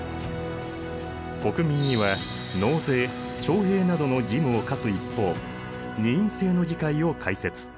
国民には納税徴兵などの義務を課す一方二院制の議会を開設。